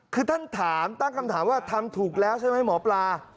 คือท่านถามตั้งคำถามว่าทำถูกแล้วใช่ไหมหมอปลา